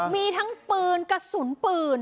มีทั้งปืนกระสุนปืน